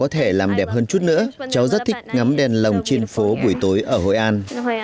có thể làm đẹp hơn chút nữa cháu rất thích ngắm đèn lồng trên phố buổi tối ở hội an